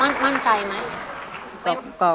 มั่นมั่นใจไหม